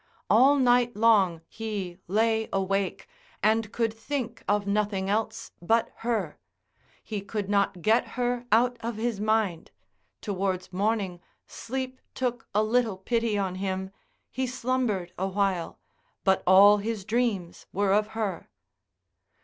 All night long he lay awake, and could think of nothing else but her, he could not get her out of his mind; towards morning, sleep took a little pity on him, he slumbered awhile, but all his dreams were of her.